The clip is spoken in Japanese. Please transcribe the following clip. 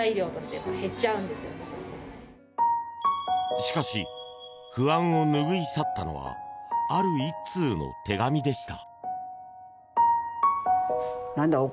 しかし、不安を拭い去ったのはある１通の手紙でした。